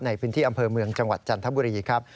ในพื้นที่อำเภอเมืองจังหวัดจันทบุรีครับ